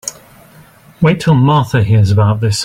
Wait till Martha hears about this.